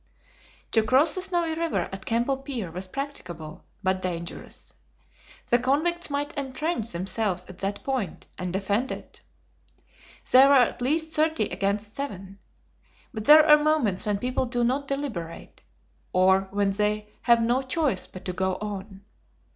To cross the Snowy River at Kemple Pier was practicable, but dangerous. The convicts might entrench themselves at that point, and defend it. They were at least thirty against seven! But there are moments when people do not deliberate, or when they have no choice but to go on.